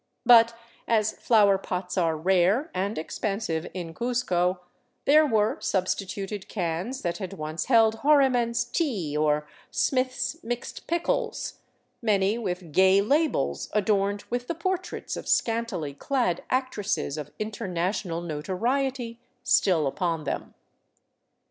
But as flower pots are rare and expensive in Cuzco, there were substituted cans that had once held " Horiman's Tea," or *' Smith's Mixed Pickles," many with gay labels adorned with the portraits of scantily clad ac tresses of international notoriety still upon them.